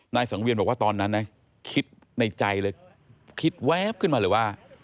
สังเวียนบอกว่าตอนนั้นนะคิดในใจเลยคิดแว๊บขึ้นมาเลยว่า